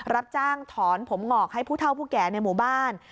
รับจ้างถอนผมงอกให้ผู้เท่าผู้แก่ในหมู่บ้าน